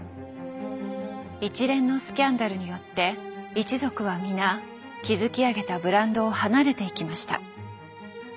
一連のスキャンダルによって一族は皆築き上げたブランドを離れていきました。